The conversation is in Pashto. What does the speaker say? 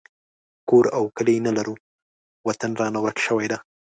کور او کلی نه لرو وطن رانه ورک شوی دی